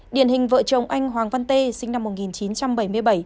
điển hình vợ chồng anh hoàng văn tê sinh năm một nghìn chín trăm bảy mươi bảy